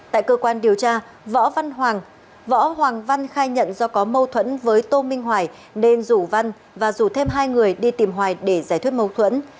tại cơ quan điều tra võ hoàng văn khai nhận do có mâu thuẫn với tô minh hoài nên rủ văn và rủ thêm hai người đi tìm hoài để giải thuyết mâu thuẫn